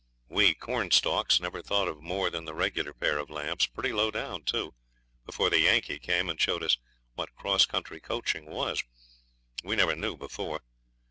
We Cornstalks never thought of more than the regular pair of lamps, pretty low down, too, before the Yankee came and showed us what cross country coaching was. We never knew before.